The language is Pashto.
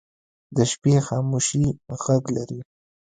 د شپې خاموشي غږ لري